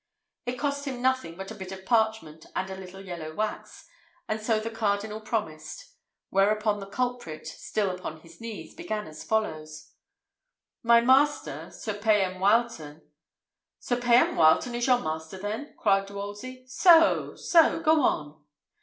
It cost him nothing but a bit of parchment and a little yellow wax, and so the cardinal promised; whereupon the culprit, still upon his knees, began as follows: "My master, Sir Payan Wileton " "Sir Payan Wileton is your master, then?" cried Wolsey "So, so! Go on."